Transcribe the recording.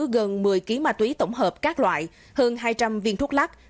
gần một mươi kg ma túy tổng hợp các loại hơn hai trăm linh viên thuốc lắc